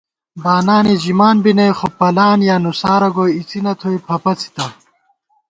بانانے ژِمان بی نئ خو پَلان یا نُسارہ گوئی اِڅِنہ تھوئی پھپھڅِتہ